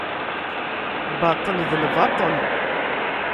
Baṭel d lbaṭel.